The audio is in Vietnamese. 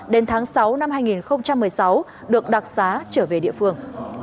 đến tháng sáu năm hai nghìn một mươi sáu được đặc xá trở về địa phương